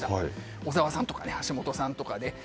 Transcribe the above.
小沢さんとか橋本さんで。